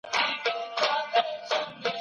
اقتصاد به په وده کي وي.